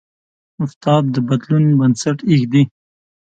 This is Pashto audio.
استاد د بدلون بنسټ ایږدي.